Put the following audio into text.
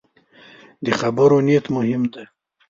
د خبرو نیت مهم دی